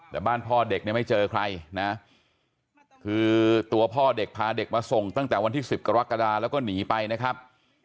แต่บ้านพ่อเด็กเนี่ยไม่เจอใครนะคือตัวพ่อเด็กพาเด็กมาส่งตั้งแต่วันที่๑๐กรกฎาแล้วก็หนีไปนะครับ